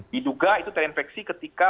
diduga itu terinfeksi ketika